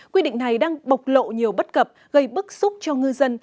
quy định này đang bộc lộ nhiều bất cập gây bức xúc cho ngư dân